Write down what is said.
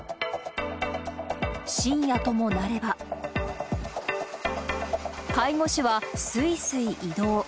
深夜ともなれば、介護士は、すいすい移動。